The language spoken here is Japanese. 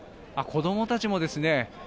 子供たちもですね。